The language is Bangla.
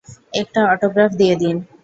একটা অটোগ্রাফ দিয়ে দিন।